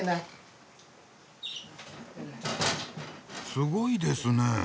すごいですね。